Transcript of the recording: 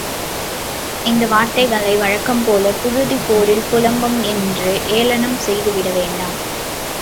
இந்த வார்த்தைகளை வழக்கம் போலப் புழுதிப் போரில் புலம்பம் என்று ஏளனம் செய்துவிடவேண்டாம்.